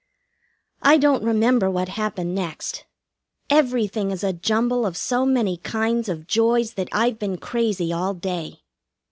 I don't remember what happened next. Everything is a jumble of so many kinds of joys that I've been crazy all day.